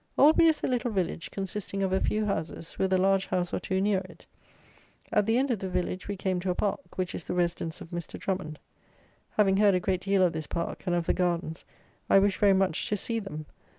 Albury is a little village consisting of a few houses, with a large house or two near it. At the end of the village we came to a park, which is the residence of Mr. Drummond. Having heard a great deal of this park, and of the gardens, I wished very much to see them.